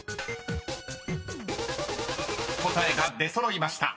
［答えが出揃いました。